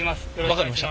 分かりました。